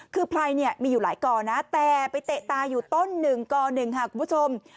คือไพรเนี่ยมีอยู่หลายกอนะแต่ไปเตะตาอยู่ต้นหนึ่งก๑ค่ะคุณผู้ชม